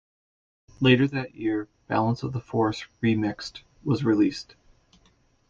Later that year, "Balance of the Force - Remixed" was released.